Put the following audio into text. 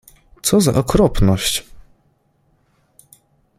Co za okropność!